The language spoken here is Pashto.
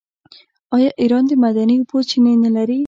آیا ایران د معدني اوبو چینې نلري؟